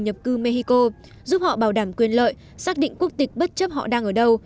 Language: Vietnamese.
nhập cư mexico giúp họ bảo đảm quyền lợi xác định quốc tịch bất chấp họ đang ở đâu